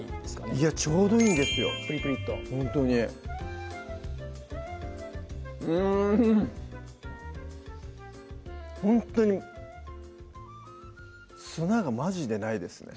いやちょうどいいんですよプリプリッとほんとにうんほんとに砂がマジでないですね